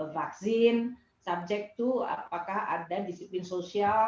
vaksin subject to apakah ada disiplin sosial